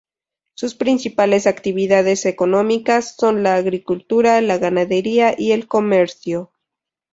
Sus principales actividades económicas son la agricultura, la ganadería y el comercio.